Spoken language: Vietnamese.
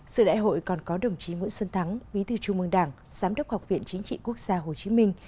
sự đại hội còn có đồng chí nguyễn xuân thắng bí thư trung mương đảng giám đốc học viện chính trị quốc gia hồ chí minh